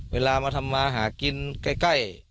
เวลามาทำมาหากินใกล้